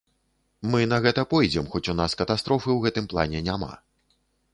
Мы на гэта пойдзем, хоць у нас катастрофы ў гэтым плане няма.